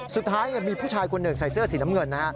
สุดท้ายมีผู้ชายคนหนึ่งใส่เสื้อสีน้ำเงินนะฮะ